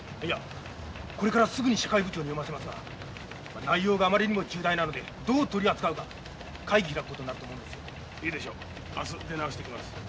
いやこれからすぐに社会部長に読ませますが内容があまりにも重大なのでどう取り扱うか会議開く事になると思うんです。